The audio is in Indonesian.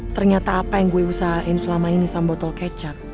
ternyata apa yang gue usahain selama ini sama botol kecap